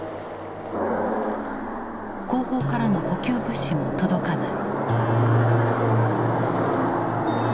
後方からの補給物資も届かない。